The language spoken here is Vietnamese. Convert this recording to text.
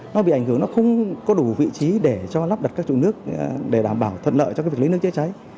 nó bị ảnh hưởng nó không có đủ vị trí để cho lắp đặt các trụ nước để đảm bảo thuận lợi cho cái việc lấy nước chữa cháy